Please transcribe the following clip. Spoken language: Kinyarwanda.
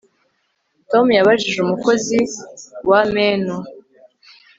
Tom yabajije umukozi wa menu